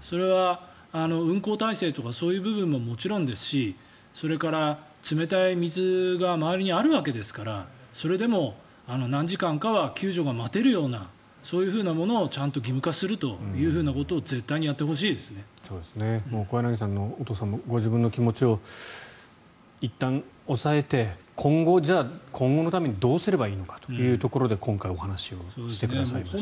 それは運航体制とかそういう部分ももちろんですしそれから冷たい水が周りにあるわけですからそれでも何時間かは救助が待てるようなそういうものをちゃんと義務化するということを小柳さんのお父さんもご自分の気持ちをいったん抑えて今後、じゃあ今後のためにどうすればいいのかということで今回お話をしてくださいました。